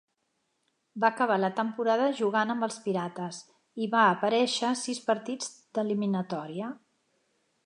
Va acabar la temporada jugant amb els Pirates i va aparèixer sis partits d'eliminatòria.